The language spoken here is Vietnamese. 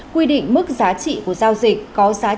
quy định mức giá trị của giao dịch có giá trị